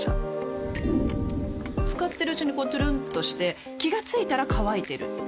使ってるうちにこうトゥルンとして気が付いたら乾いてる